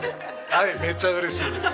はいめっちゃ嬉しいです。